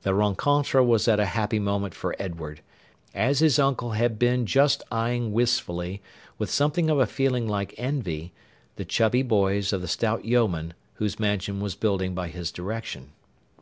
The rencontre was at a happy moment for Edward, as his uncle had been just eyeing wistfully, with something of a feeling like envy, the chubby boys of the stout yeoman whose mansion was building by his direction.